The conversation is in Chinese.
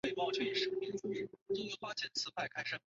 王仲殊已经家喻户晓。